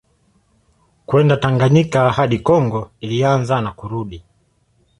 kwenda Tanganyika hadi Kongo ilianza na kurudi